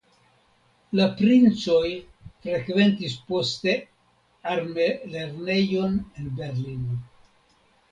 La princoj frekventis poste armelernejon en Berlino.